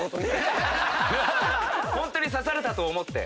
ホントに刺されたと思って。